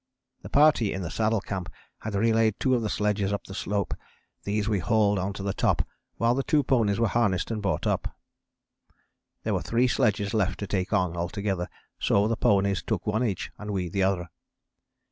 The party in the Saddle Camp had relayed two of the sledges up the slope; these we hauled on to the top while the two ponies were harnessed and brought up. There were three sledges left to take on altogether, so the ponies took one each and we the other.